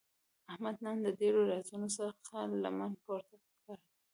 احمد نن د ډېرو رازونو څخه لمنه پورته کړه.